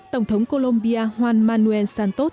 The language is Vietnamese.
tổng thống colombia juan manuel santos